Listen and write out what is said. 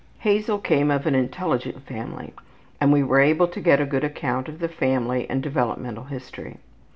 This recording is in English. Hazel came of an intelligent family and we were able to get a good account of the family and developmental history.